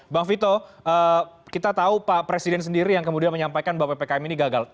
bang vito kita tahu pak presiden sendiri yang kemudian menyampaikan bahwa ppkm ini gagal